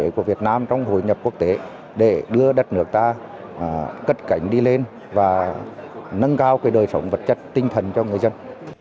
của việt nam trong hội nhập quốc tế để đưa đất nước ta cất cảnh đi lên và nâng cao đời sống vật chất tinh thần cho người dân